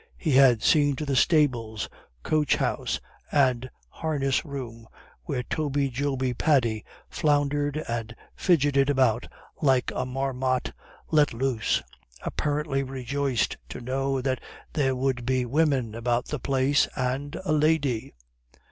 He had seen to the stables, coach house, and harness room, where Toby Joby Paddy floundered and fidgeted about like a marmot let loose, apparently rejoiced to know that there would be women about the place and a 'lady'!